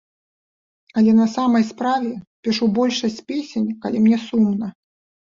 Але на самай справе, пішу большасць песень, калі мне сумна.